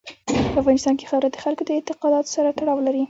په افغانستان کې خاوره د خلکو د اعتقاداتو سره تړاو لري.